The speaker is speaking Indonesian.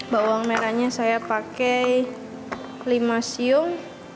bawang merahnya saya pakai lima siung